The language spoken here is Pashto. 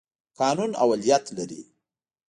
قانون اولیت لري.